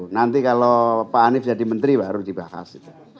nanti kalau pak hanif jadi menteri baru di bakas